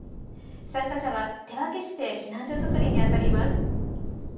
参加者は手分けして避難所作りに当たります。